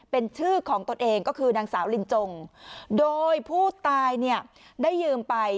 เป็นชื่อของตนเองก็คือนางสาวลินจงโดยผู้ตายเนี่ยได้ยืมไป